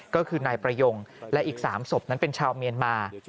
ก็คือนายประยงและอีก๓ศพนั้นเป็นชาวเมียนมา